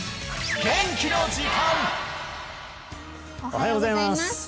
おはようございます